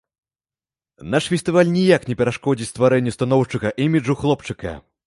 Наш фестываль ніяк не перашкодзіць стварэнню станоўчага іміджу хлопчыка.